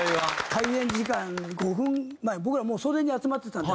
開演時間５分前僕らもう袖に集まってたんです。